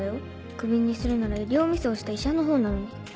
クビにするなら医療ミスをした医者の方なのに。